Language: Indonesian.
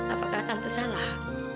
apakah tante salah